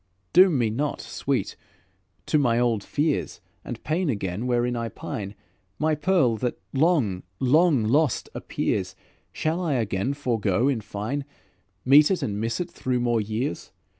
"Doom me not, sweet, to my old fears And pain again wherein I pine. My pearl that, long, long lost, appears, Shall I again forego, in fine? Meet it, and miss it through more years?